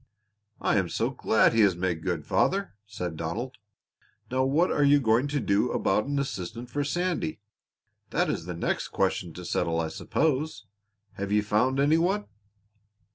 "I am so glad he has made good, father," said Donald. "Now, what are you going to do about an assistant for Sandy? That is the next question to settle, I suppose. Have you found any one?"